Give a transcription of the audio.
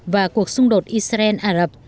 và cuộc xung đột israel arab